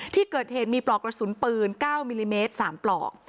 ที่เกิดเหตุมีปลอกกระสุนปืน๙มิลลิเมตร๓ปลอก